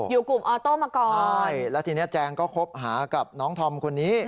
อยู่กลุ่มออโต้มาก่อนใช่แล้วทีนี้แจงก็คบหากับน้องธอมคนนี้